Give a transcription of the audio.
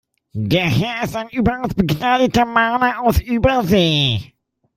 Der Herr ist ein überaus begnadeter Maler aus Übersee.